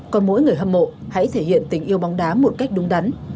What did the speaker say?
còn mỗi người hâm mộ hãy thể hiện tình yêu bóng đá một cách đúng đắn